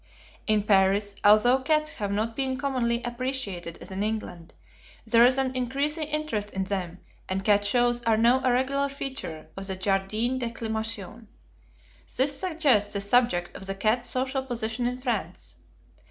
In Paris, although cats have not been commonly appreciated as in England, there is an increasing interest in them, and cat shows are now a regular feature of the Jardin d'Acclimation. This suggests the subject of the cat's social position in France.